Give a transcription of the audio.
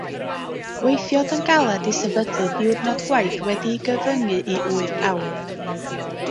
Gweithiodd yn galed i sefydlu diwrnod gwaith wedi'i gyfyngu i wyth awr.